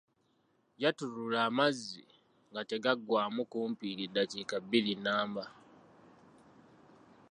Yattulula amazzi naye nga tegaggwamu kumpi eddakiika bbiri nnamba.